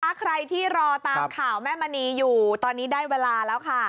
ถ้าใครที่รอตามข่าวแม่มณีอยู่ตอนนี้ได้เวลาแล้วค่ะ